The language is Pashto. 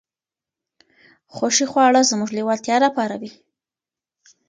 خوښې خواړه زموږ لېوالتیا راپاروي.